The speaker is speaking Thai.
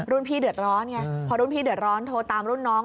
พี่เดือดร้อนไงพอรุ่นพี่เดือดร้อนโทรตามรุ่นน้อง